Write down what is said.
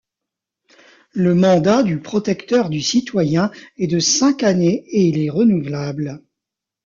Le mandat du Protecteur du citoyen est de cinq années et il est renouvelable.